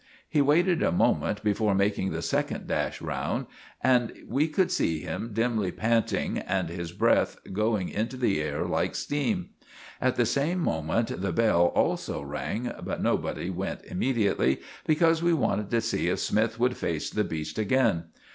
He waited a moment before making the second dash round, and we could see him dimly panting, and his breath going into the air like steam. At the same moment the bell also rang, but nobody went immediately, because we wanted to see if Smythe would face the beast again.